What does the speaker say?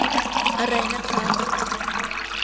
อะไรนะครับ